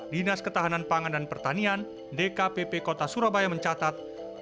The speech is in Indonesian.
dinas ketahanan pangan dan pertanian dkpp kota surabaya mencatat